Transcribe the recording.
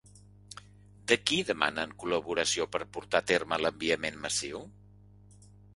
De qui demanen col·laboració per portar a terme l'enviament massiu?